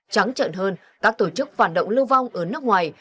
trắng trợn hơn các tổ chức phản động lưu vong ở nước ngoài